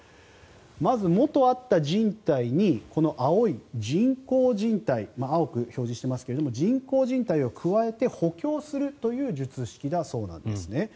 まず、元あったじん帯にこの青い人工じん帯青く表示していますが人工じん帯を加えて補強するという術式だそうです。